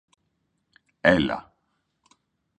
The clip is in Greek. Έλα